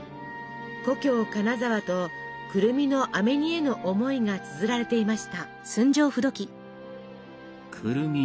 故郷金沢とくるみのあめ煮への思いがつづられていました。